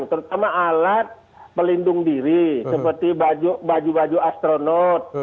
terutama alat pelindung diri seperti baju baju astronot